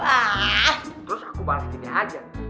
terus aku balas gini aja